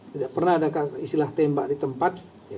tidak pernah ada istilah tembak di tempat